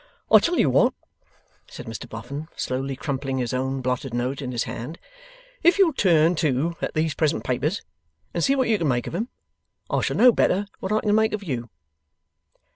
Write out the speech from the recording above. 'I tell you what,' said Mr Boffin, slowly crumpling his own blotted note in his hand; 'if you'll turn to at these present papers, and see what you can make of 'em, I shall know better what I can make of you.